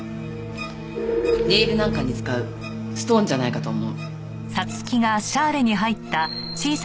ネイルなんかに使うストーンじゃないかと思う。